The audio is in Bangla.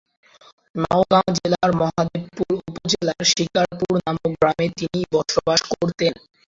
নওগাঁ জেলার মহাদেবপুর উপজেলার শিকারপুর নামক গ্রামে তিনি বসবাস করতেন।